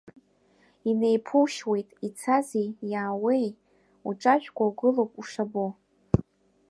Инеиԥушьуеит ицази иааиуеи, уҿажәкуа угылоуп, ушабо…